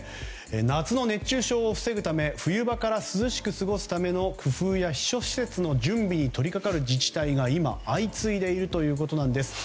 夏の熱中症を防ぐため冬場から涼しく過ごすための工夫や避暑施設の準備に取り掛かる自治体が今相次いでいるということです。